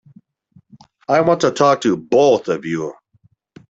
I want to talk to both of you.